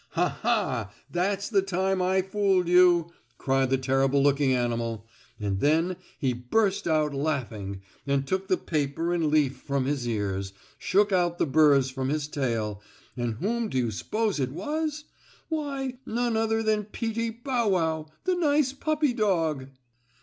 "Ha! Ha! That's the time I fooled you!" cried the terrible looking animal, and then he burst out laughing and took the paper and leaf from his ears, shook out the burrs from his tail, and whom do you s'pose it was? Why none other than Peetie Bow Wow, the nice puppy dog.